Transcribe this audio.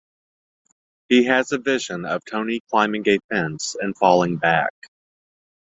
He has a vision of Tony climbing a fence and falling back.